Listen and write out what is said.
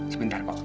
sebentar kok ya